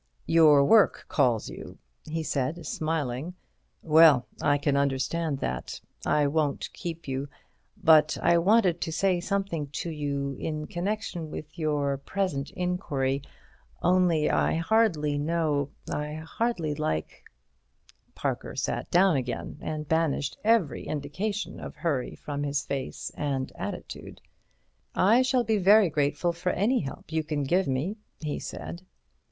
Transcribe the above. "Your work calls you?" he said smiling. "Well, I can understand that. I won't keep you. But I wanted to say something to you in connection with your present inquiry—only I hardly know—I hardly like—" Parker sat down again, and banished every indication of hurry from his face and attitude. "I shall be very grateful for any help you can give me," he said.